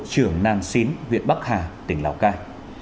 trưởng nản xín huyện bắc hà tỉnh lào cai